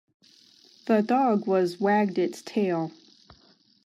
The dog was wagged its tail.